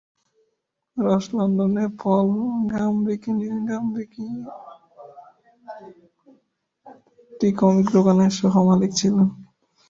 রস লন্ডনে পল গামবাকিনির সাথে একটি কমিক দোকানের সহ-মালিক ছিলেন।